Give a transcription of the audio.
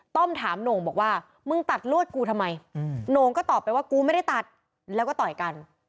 ถามโหน่งบอกว่ามึงตัดลวดกูทำไมโหน่งก็ตอบไปว่ากูไม่ได้ตัดแล้วก็ต่อยกัน